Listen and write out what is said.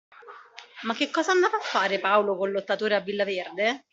Ma che cosa andava a fare Paolo col Lottatore a Villa Verde?